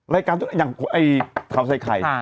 รายการที่อย่างไอ้เทาไซไข่